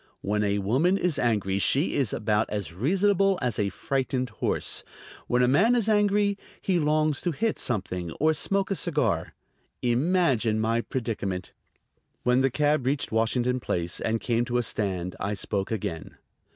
When a woman is angry she is about as reasonable as a frightened horse; when a man is angry he longs to hit something or smoke a cigar. Imagine my predicament! When the cab reached Washington Place and came to a stand I spoke again.